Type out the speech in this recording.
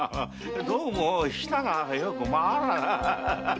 どうも舌がよく回らな。